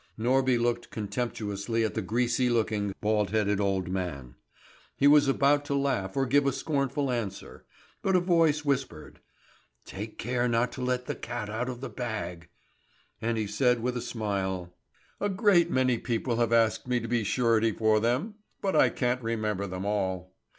Norby looked contemptuously at the greasy looking, bald headed old man. He was about to laugh or give a scornful answer; but a voice whispered! "Take care not to let the cat out of the bag!" and he said with a smile: "A great many people have asked me to be surety for them; but I can't remember them all."